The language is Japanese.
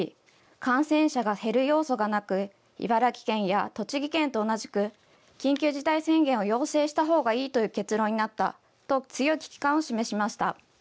感染者が減る要素がなく茨城県や栃木県と同じく緊急事態宣言を要請したほうがいいという結論になったと強い危機感を示しました。